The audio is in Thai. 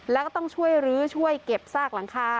แล้วก็ต้องช่วยรื้อช่วยเก็บซากหลังคา